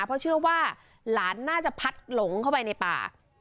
เพราะเชื่อว่าหลานน่าจะพัดหลงเข้าไปในป่า